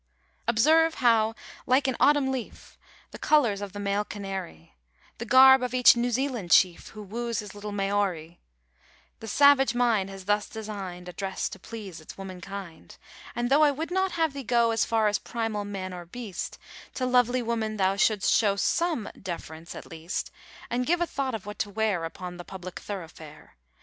Observe how like an autumn leaf The colors of the male canary, The garb of each New Zealand chief Who woos his Little Maori; The savage mind has thus designed A dress to please its womankind. And tho' I would not have thee go As far as primal man or beast, To lovely woman thou should'st show Some deference at least, And give a thought of what to wear Upon the public thoroughfare.